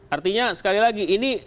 artinya sekali lagi ini